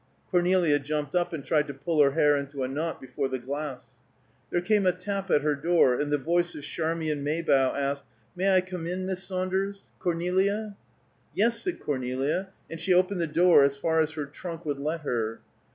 Cornelia jumped up and tried to pull her hair into a knot before the glass. There came a tap at her door and the voice of Charmian Maybough asked, "May I come in, Miss Saunders, Cornelia?" "Yes," said Cornelia, and she opened the door as far as her trunk would let her.